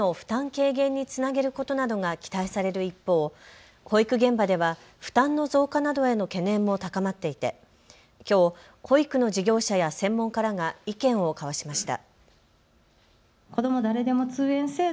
軽減につなげることなどが期待される一方、保育現場では負担の増加などへの懸念も高まっていて、きょう保育の事業者や専門家らが意見を交わしました。